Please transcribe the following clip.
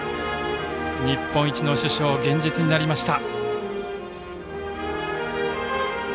日本一の主将、現実になりました。